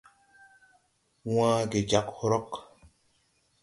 Waa ge jagge hrog.